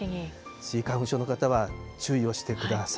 スギ花粉症の方は注意をしてください。